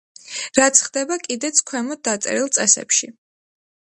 რაც ხდება კიდეც ქვემოთ დაწერილ წესებში.